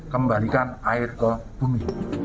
kembalikan air ke bumi